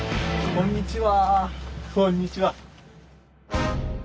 こんにちは。